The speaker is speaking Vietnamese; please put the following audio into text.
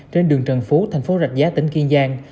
trên đường trần phú thành phố rạch giá tỉnh kiên giang